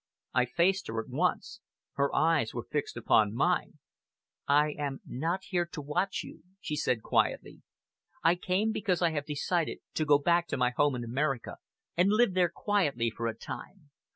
I faced her at once. Her eyes were fixed upon mine. "I am not here to watch you," she said quietly. "I came because I have decided to go back to my home in America, and live there quietly for a time.